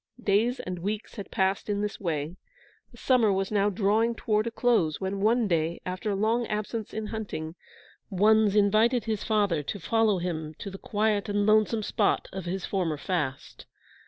Days and weeks had passed in this way. The summer was now drawing toward a close, when one day, after a long absence in hunting, Wunzh invited his father to follow him to the quiet and lonesome spot of his former fast.